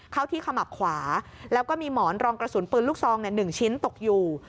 เข้าที่ขมับขวาแล้วก็มีหมอนรองกระสุนปืนลูกซอง๑ชิ้นตกอยู่